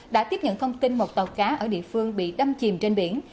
đã tiếp nhận thông tin một tàu cá ở địa phương bị đâm chìm trên biển